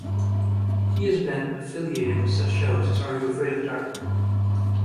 He has been affiliated with shows such as Are You Afraid of the Dark?